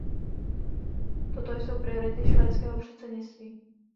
Toto jsou priority švédského předsednictví.